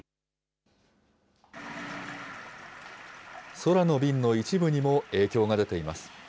空の便の一部にも影響が出ています。